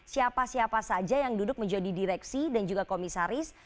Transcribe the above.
siapa siapa saja yang duduk menjadi direksi dan juga komisaris